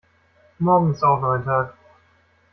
Morgen ist auch noch ein Tag.